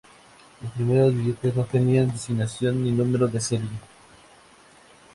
Los primeros billetes no tenían designación ni número de serie.